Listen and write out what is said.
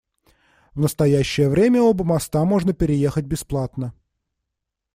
В настоящее время оба моста можно переехать бесплатно.